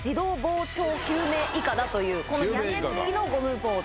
というこの屋根付きのゴムボート。